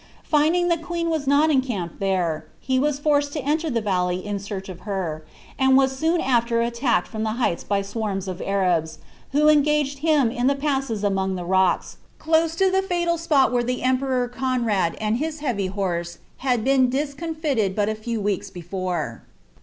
FiuJing the gorai «rms aot encamped there, he was forced to enter the valley ia b of her, and was soon aAcr attacked from die heights by swarm* ti»t *f*o engRged him in the passes among the rocks, close to the bal spot where die eintieror Conrad and his heavy horse had been dis DMifiwd but n few weeKs before.